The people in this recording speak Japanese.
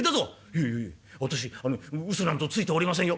「いえいえ私ウソなんぞついておりませんよ。